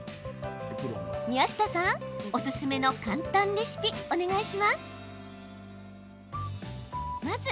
宮下さん、おすすめの簡単レシピお願いします。